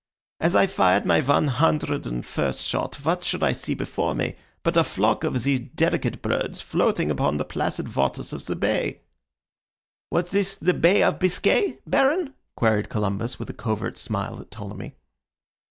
As I fired my one hundred and first shot what should I see before me but a flock of these delicate birds floating upon the placid waters of the bay!" "Was this the Bay of Biscay, Baron?" queried Columbus, with a covert smile at Ptolemy.